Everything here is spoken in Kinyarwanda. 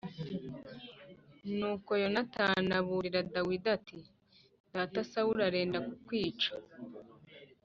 Nuko Yonatani aburira Dawidi ati “Data Sawuli arenda kukwica”